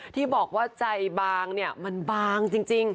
ที่บอกว่าใจบางเนี่ยมันบางจริง